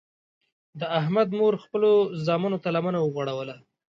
د احمد مور خپلو زمنو ته لمنه وغوړوله.